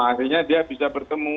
akhirnya dia bisa bertemu